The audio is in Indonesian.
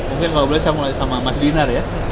mungkin kalau boleh saya mulai sama mas dinar ya